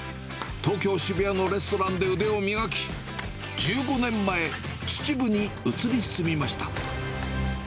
東京・渋谷のレストランで腕を磨き、１５年前、秩父に移り住みました。